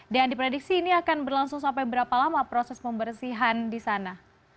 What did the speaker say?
dan diprediksi ini akan berlangsung sampai berapa lama proses pembersihan di sana